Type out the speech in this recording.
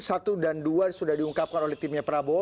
satu dan dua sudah diungkapkan oleh timnya prabowo